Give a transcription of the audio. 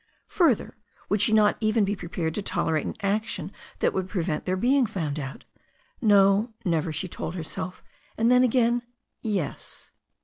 Further, would she not even be prepared to tolerate an action that would prevent their being found out? No, never, she told herself, and then again, yes.